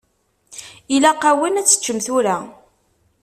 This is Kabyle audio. Ilaq-awen ad teččem tura.